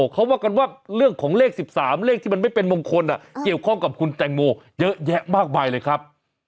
เขาว่ากันว่าเรื่องของเลข๑๓เลขที่มันไม่เป็นมงคลเกี่ยวข้องกับคุณแตงโมเยอะแยะมากมายเลยครับ